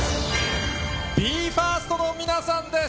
ＢＥ：ＦＩＲＳＴの皆さんです。